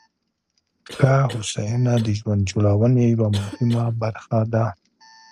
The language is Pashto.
ښه هوساینه د ژوند جوړونې یوه مهمه برخه ده.